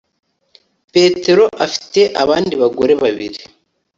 petero afite abandi bagore babiri